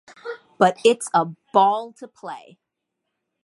But it's a ball to play.